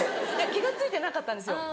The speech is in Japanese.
気が付いてなかったんですよ。